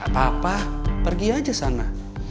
gapapa pergi aja sana